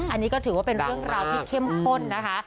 อันนี้ก็ถือว่าเป็นเรื่องราวที่เข้มข้นนะคะ